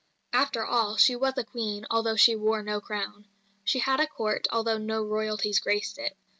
After all, she was a Queen, although she wore no crown. She had a Court, although no Royalties graced it.